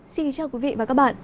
xin chào quý vị và các bạn